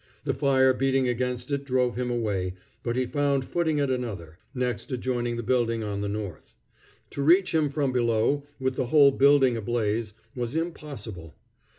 The fire beating against it drove him away, but he found footing at another, next adjoining the building on the north. To reach him from below, with the whole building ablaze, was impossible.